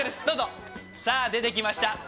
どうぞさあ出てきました